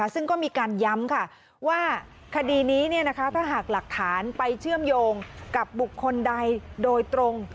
ซึ่งก็มีการย้ำว่าคดีนี้ถ้าหากหลักฐานไปเชื่อมโยงกับบุคคลใดโดยตรง